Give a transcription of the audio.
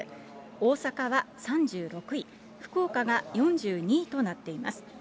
大阪は３６位、福岡が４２位となっています。